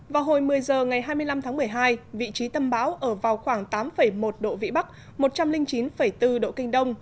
vào hồi một mươi h ngày hai mươi năm tháng một mươi hai vị trí tâm bão ở vào khoảng tám một độ vĩ bắc một trăm linh chín bốn độ kinh đông